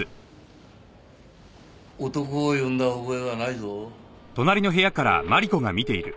男を呼んだ覚えはないぞ。